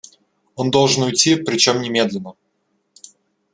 Он должен уйти, причем немедленно.